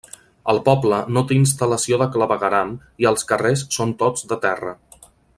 El poble no té instal·lació de clavegueram i els carrers són tots de terra.